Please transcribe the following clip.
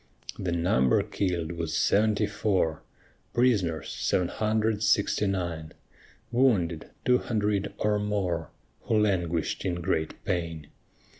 The number kill'd was seventy four, Prisoners, seven hundred sixty nine, Wounded, two hundred or more, Who languish'd in great pain.